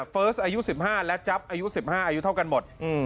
เฟิร์สอายุ๑๕และจั๊บอายุ๑๕อายุเท่ากันหมด